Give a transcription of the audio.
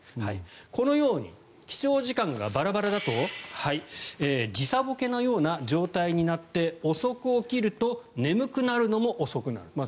このように起床時間がバラバラだと時差ぼけのような状態になって遅く起きると眠くなるのも遅くなる。